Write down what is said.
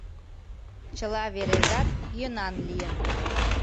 Чыла вережат йӧнан лийын.